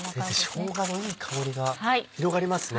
しょうがのいい香りが広がりますね。